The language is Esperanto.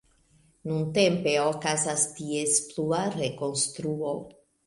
Nuntempe okazas ties plua rekonstruo.